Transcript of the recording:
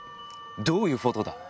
どういうフォとだ？